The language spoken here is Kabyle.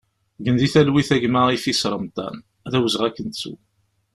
Gen di talwit a gma Ifis Remḍan, d awezɣi ad k-nettu!